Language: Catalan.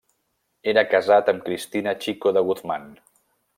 Era casat amb Cristina Chico de Guzmán.